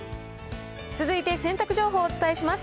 続いて洗濯情報をお伝えします。